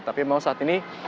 tapi memang saat ini